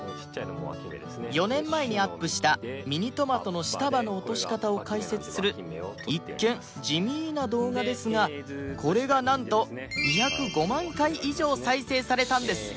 ４年前にアップしたミニトマトの下葉の落とし方を解説する一見地味な動画ですがこれがなんと２０５万回以上再生されたんです